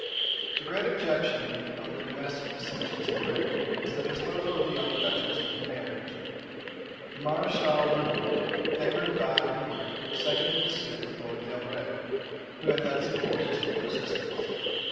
The great object of the domestic dissensions in Brittany was the disposal of the young duchess in marriage. The mareschal Rieux, favored by Henry, seconded the suit of the lord D'Albret, who led some forces to her assistance.